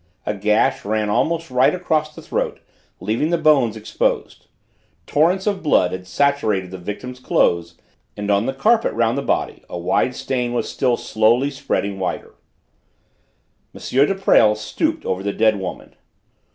A gash ran almost right across the throat, leaving the bones exposed. Torrents of blood had saturated the victim's clothes, and on the carpet round the body a wide stain was still slowly spreading wider. M. de Presles stooped over the dead woman.